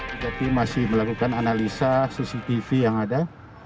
tetapi masih melakukan analisa cctv yang ada